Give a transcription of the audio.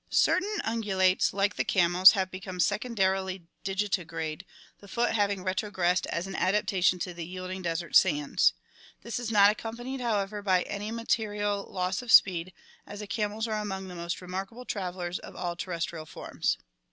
Certain ungulates like the camels have become secondarily digitigrade, the foot having retrogressed as an adaptation to the yielding desert sands (see page 627). This is not accompanied, however, by any material loss of speed, as the camels are among the most remarkable travelers of all terrestrial forms.